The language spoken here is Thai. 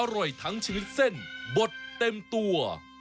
อร่อยทั้งชีวิตเส้นบดเต็มตัว